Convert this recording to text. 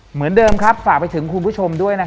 เหมือนเดิมครับฝากไปถึงคุณผู้ชมด้วย